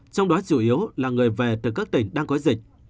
trong đó chủ yếu là người về từ các tỉnh đang có dịch